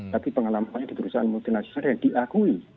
tapi pengalaman di perusahaan multinasional yang diakui